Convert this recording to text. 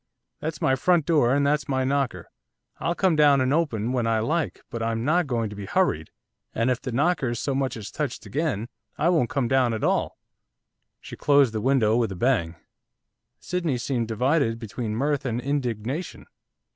That's my front door, and that's my knocker, I'll come down and open when I like, but I'm not going to be hurried, and if the knocker's so much as touched again, I won't come down at all.' She closed the window with a bang. Sydney seemed divided between mirth and indignation.